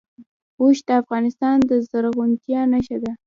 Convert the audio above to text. اوښ د افغانستان د زرغونتیا نښه ده.